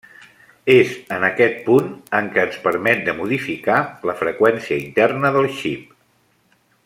És en aquest punt en què ens permet de modificar la freqüència interna del xip.